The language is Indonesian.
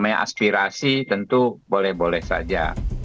inspirasi tentu boleh boleh saja